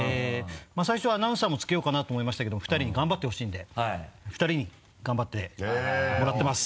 最初アナウンサーも付けようかなと思いましたけども２人に頑張ってほしいんで２人に頑張ってもらってます。